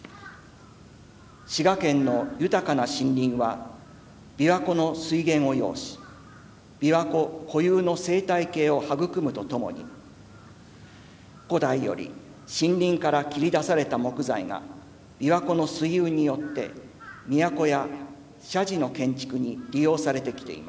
滋賀県の豊かな森林は琵琶湖の水源を擁し琵琶湖固有の生態系を育むとともに古代より森林から切り出された木材が琵琶湖の水運によって都や社寺の建築に利用されてきています。